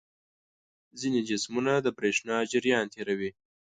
ځینې جسمونه د برېښنا جریان تیروي.